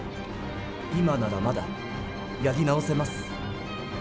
今ならまだやり直せます。